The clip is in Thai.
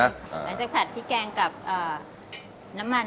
เราก็จะผัดพริกแกงกับน้ำมัน